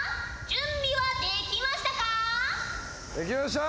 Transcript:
できました！